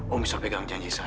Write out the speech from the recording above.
om bisa pegang janji saya